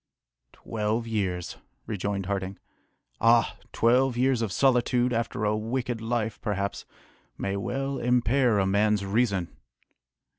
"Twelve years!" rejoined Harding. "Ah! twelve years of solitude, after a wicked life, perhaps, may well impair a man's reason!"